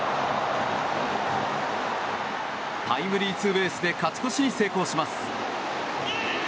タイムリーツーベースで勝ち越しに成功します。